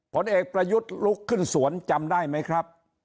ผลเอกประยุทธ์ลุกขึ้นสวนจำได้ไหมครับ